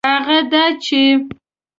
هغه دا چي